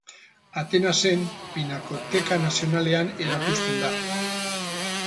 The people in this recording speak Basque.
Atenasen Pinakoteka Nazionalean erakusten da.